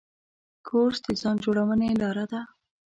کورس د ځان جوړونې لاره ده.